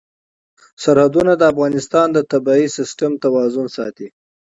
سرحدونه د افغانستان د طبعي سیسټم توازن ساتي.